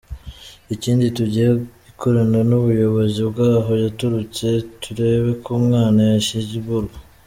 Ikindi tugiye ikorana n’ubuyobozi bw’aho yaturutse turebe ko umwana yashyingurwa.”